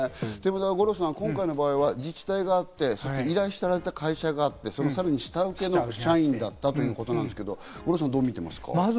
五郎さん、今回の場合、自治体があって、依頼された会社があって、下請けの社員だったということですけれども、どう見ていますか？